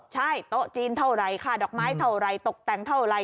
ใช่โต๊ะจีนเท่าไหร่ค่าดอกไม้เท่าไรตกแต่งเท่าไหร